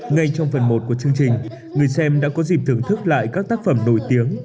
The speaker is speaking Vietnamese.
ngay trong phần một của chương trình người xem đã có dịp thưởng thức lại các tác phẩm nổi tiếng